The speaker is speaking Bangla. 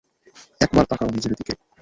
একবার তাকাও নিজের দিকে।